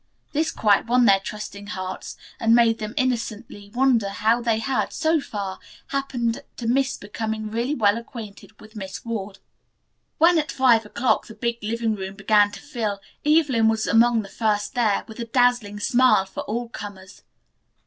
This quite won their trusting hearts and made them innocently wonder how they had, so far, happened to miss becoming really well acquainted with Miss Ward. When at five o'clock the big living room began to fill, Evelyn was among the first there, with a dazzling smile for all comers.